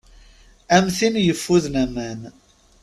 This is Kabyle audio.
Am tin yeffuden aman.